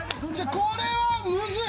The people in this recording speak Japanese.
これはむずい。